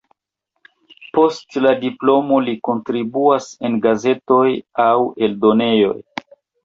Post la diplomo li kontribuas en gazetoj aŭ eldonejoj.